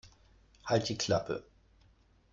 Halt die Klappe!